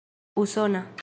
usona